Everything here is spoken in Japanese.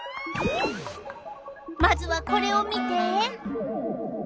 まずはこれを見て。